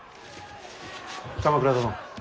鎌倉殿。